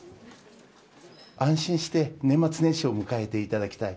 安心して年末年始を迎えていただきたい。